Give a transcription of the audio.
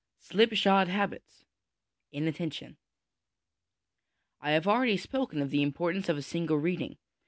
Slipshod Habits; Inattention. I have already spoken of the importance of a single reading.